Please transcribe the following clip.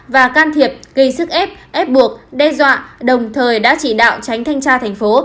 và can thiệp gây sức ép ép buộc đe dọa đồng thời đã chỉ đạo tránh thanh tra thành phố